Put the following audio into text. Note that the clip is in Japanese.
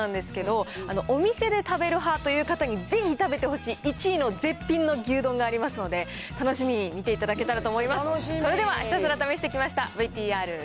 そして今回のこの牛丼の調査なんですけど、お店で食べる派という方にぜひ食べてほしい１位の絶品の牛丼がありますので、楽しみに見ていただけたらと思います。